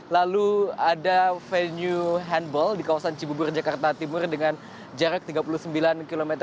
lalu ada venue handball di kawasan cibubur jakarta timur dengan jarak tiga puluh sembilan km